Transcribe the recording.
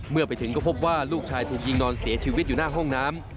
เมื่อไปถึงก็พบว่าลูกชายถูกยิงนอนเสียชีวิตอยู่หน้าห้องน้ำ